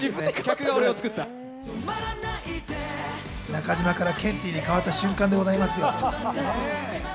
中島からケンティーに変わった瞬間でございますよ。